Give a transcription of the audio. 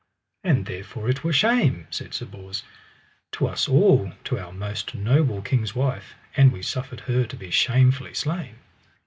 And therefore it were shame, said Sir Bors, to us all to our most noble king's wife, an we suffered her to be shamefully slain.